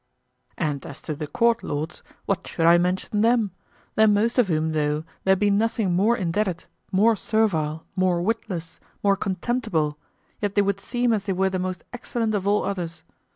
And as to the court lords, what should I mention them? than most of whom though there be nothing more indebted, more servile, more witless, more contemptible, yet they would seem as they were the most excellent of all others.